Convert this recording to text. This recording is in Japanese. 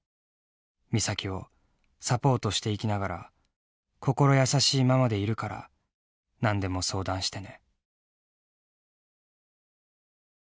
美咲をサポートしていきながら心優しいママでいるから何でも相談してね」。